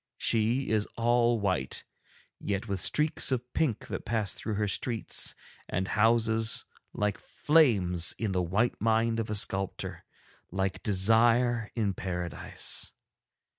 She is all white, yet with streaks of pink that pass through her streets and houses like flames in the white mind of a sculptor, like desire in Paradise.